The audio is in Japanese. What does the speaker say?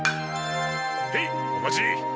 へいお待ち！